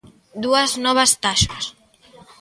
Dúas novas taxas.